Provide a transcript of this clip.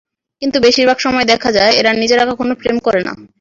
কিন্তু বেশির ভাগ সময় দেখা যায় এরা নিজেরা কখনো প্রেম করে না।